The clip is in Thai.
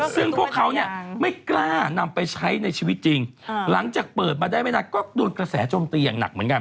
ซึ่งพวกเขาเนี่ยไม่กล้านำไปใช้ในชีวิตจริงหลังจากเปิดมาได้ไม่นานก็โดนกระแสโจมตีอย่างหนักเหมือนกัน